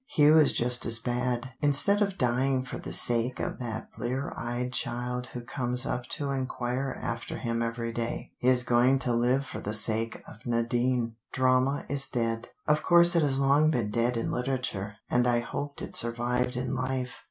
Hugh is just as bad: instead of dying for the sake of that blear eyed child who comes up to enquire after him every day, he is going to live for the sake of Nadine. Drama is dead. Of course it has long been dead in literature, but I hoped it survived in life."